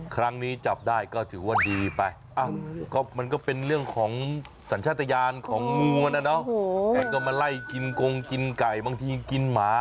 ครั้งนี้จับได้ก็ถือว่าดีไป